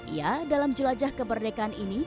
ia dalam jelajah kemerdekaan ini